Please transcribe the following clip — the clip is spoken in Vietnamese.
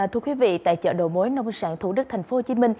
thưa quý vị tại chợ đầu mối nông sản thủ đức tp hcm